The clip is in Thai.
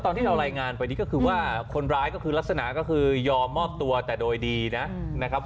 ตอนที่เรารายงานไปนี่ก็คือว่าคนร้ายก็คือลักษณะก็คือยอมมอบตัวแต่โดยดีนะครับ